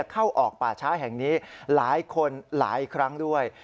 เข้าออกป่าช้าแห่งนี้หลายคนหลายครั้งด้วย